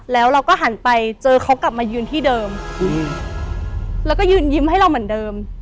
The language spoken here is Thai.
แล้วเราก็หันไปเจอเขากลับมายืนที่เดิมแล้วก็ยืนยิ้มให้เราเหมือนเดิม